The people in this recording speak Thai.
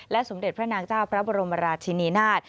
สมเด็จพระนางเจ้าพระบรมราชินีนาฏ